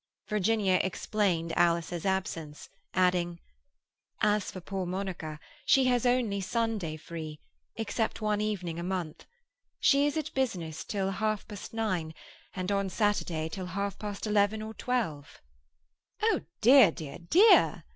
Virginia explained Alice's absence, adding,— "As for poor Monica, she has only Sunday free—except one evening a month. She is at business till half past nine, and on Saturday till half past eleven or twelve." "Oh, dear, dear, dear!"